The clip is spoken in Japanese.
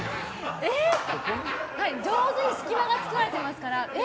上手に隙間が作られてますからえ